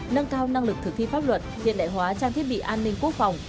nâng cao năng lực thực thi pháp luật hiện đại hóa trang thiết bị an ninh quốc phòng